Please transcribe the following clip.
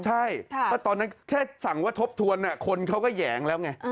ใช่ก็ตอนนั้นแค่สั่งว่าทบทวนคนเขาก็แหยงแล้วไง